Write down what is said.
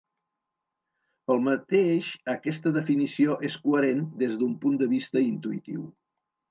Pel mateix aquesta definició és coherent des d'un punt de vista intuïtiu.